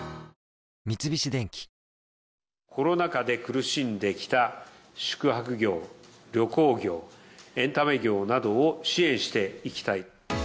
三菱電機コロナ禍で苦しんできた宿泊業、旅行業、エンタメ業などを支援していきたい。